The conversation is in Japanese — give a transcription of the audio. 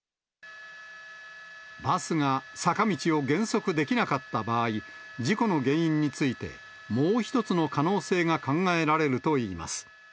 バスが坂道を減速できなかった場合、事故の原因について、もう一つの可能性が考えられるといいます。